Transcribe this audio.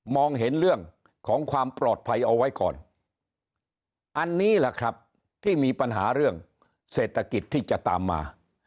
เห็นเรื่องของความปลอดภัยเอาไว้ก่อนอันนี้แหละครับที่มีปัญหาเรื่องเศรษฐกิจที่จะตามมา